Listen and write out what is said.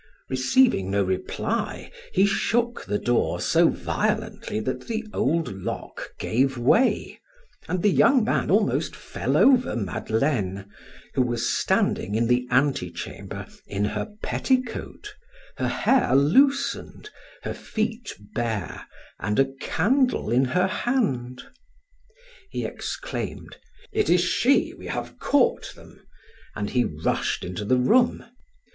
Receiving no reply he shook the door so violently that the old lock gave way, and the young man almost fell over Madeleine, who was standing in the antechamber in her petticoat, her hair loosened, her feet bare, and a candle in her hand. He exclaimed: "It is she. We have caught them," and he rushed into the room.